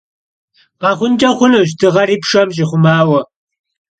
Khexhunç'e xhunuş dığeri pşşem ş'ixhumaue.